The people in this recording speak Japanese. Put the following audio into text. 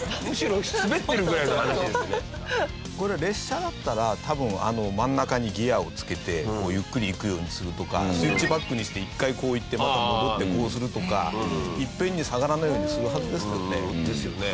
これ列車だったら多分真ん中にギアを付けてゆっくり行くようにするとかスイッチバックにして一回こう行ってまた戻ってこうするとかいっぺんに下がらないようにするはずですですけどね。ですよね。